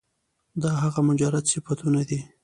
دا هغه مجرد صفتونه دي